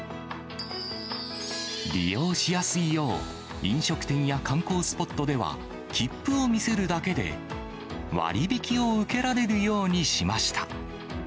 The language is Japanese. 利用しやすいよう、飲食店や観光スポットでは切符を見せるだけで、割引を受けられるようにしました。